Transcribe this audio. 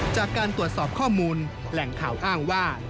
จากการตรวจสอบข้อมูลแหล่งข่าวอ้างว่า